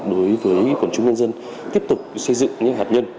đối với quản trung nhân dân tiếp tục xây dựng những hạt nhân